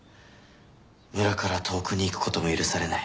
村から遠くに行く事も許されない。